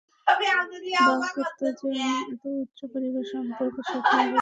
বগতজি আমি এতো উচ্চ পরিবার সম্পর্কে স্বপ্নেও ভাবতে পারবো না।